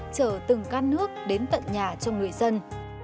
chở từng cát nước đến tận nhà cho người dân